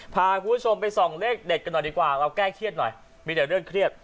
พาคุณผู้ชมไปส่องเลขเด็ดกันหน่อยดีกว่าเราแก้เครียดหน่อยมีแต่เรื่องเครียด